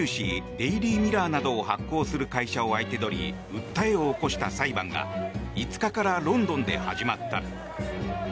デイリー・ミラーなどを発行する会社を相手取り訴えを起こした裁判が５日からロンドンで始まった。